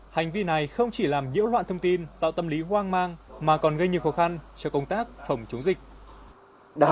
hành vi này không chỉ làm nhiễu loạn thông tin tạo tâm lý hoang mang mà còn gây nhiều khó khăn cho công tác phòng chống dịch